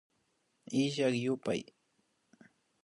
Illak yupay